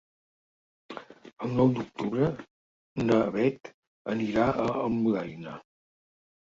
El nou d'octubre na Bet anirà a Almudaina.